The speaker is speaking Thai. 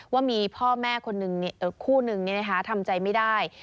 ว่ามีพ่อแม่คู่หนึ่งทำใจไม่ได้